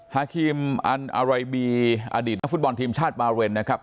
ฮาคิมอันอารัยบีอดีตนักฟุตบอลทีมชาติบาเรนนะครับ